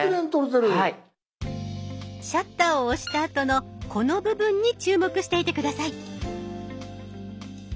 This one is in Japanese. シャッターを押したあとのこの部分に注目していて下さい。